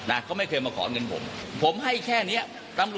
นะครับเอาลงฝั่งบิ๊กโจครับ